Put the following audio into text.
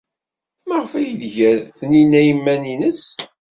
Maɣef ay d-tger Taninna iman-nnes?